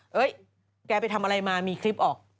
แกไปทำอะไรมามีคลิปออก